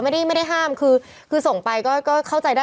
ไม่ได้ไม่ได้ห้ามคือส่งไปก็เข้าใจได้